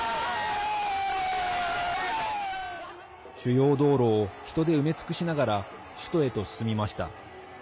主要道路を人で埋め尽くしながら首都へと進みました。